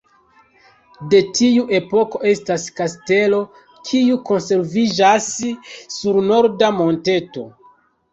De tiu epoko estas kastelo, kiu konserviĝas sur norda monteto.